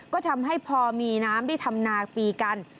ก็ทำให้พอมีน้ำได้ทำนาปีกัน